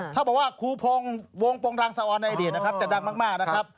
ถ้าบอกว่าครูพงศ์วงปงรังสะออนในอดีตนะครับจะดังมากนะครับ